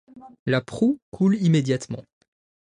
La proue coule immédiatement.